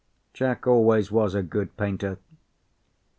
Jack always was a good painter.